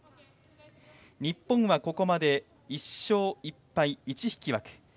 日本はここまで１勝１敗１引き分け。